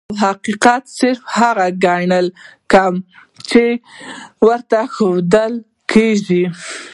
او حقيقت صرف هغه ګڼي کوم چي ورته ښودل کيږي.